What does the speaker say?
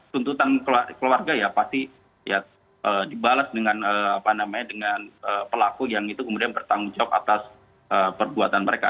tuntutan keluarga ya pasti ya dibalas dengan pelaku yang itu kemudian bertanggung jawab atas perbuatan mereka